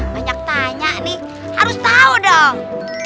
banyak tanya nih harus tahu dong